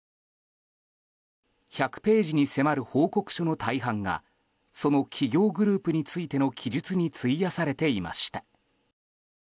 １００ページに迫る報告書の大半がその企業グループについての記述に費やされていました。